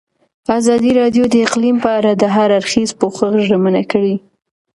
ازادي راډیو د اقلیم په اړه د هر اړخیز پوښښ ژمنه کړې.